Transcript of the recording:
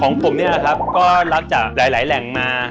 ของผมนี่แหละครับก็รับจากหลายแหล่งมา